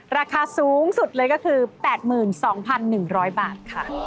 ราคาสูงสุดเลยก็คือ๘๒๑๐๐บาทค่ะ